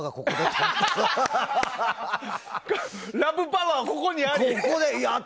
ラブパワーここにあり！